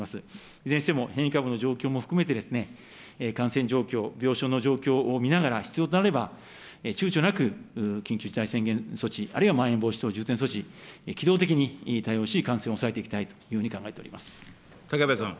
いずれにしても変異株の状況、感染状況、病床の状況を見ながら、必要となれば、ちゅうちょなく緊急事態宣言措置、あるいはまん延防止等重点措置、機動的に対応し、感染を抑えていきたいというふう武部君。